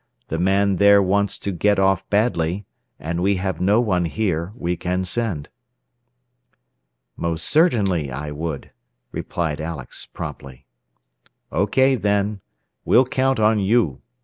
The man there wants to get off badly, and we have no one here we can send." "Most certainly I would," replied Alex, promptly. "OK then. We'll count on you.